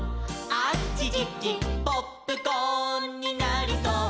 「あちちちポップコーンになりそう」